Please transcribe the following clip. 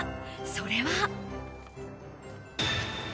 それは。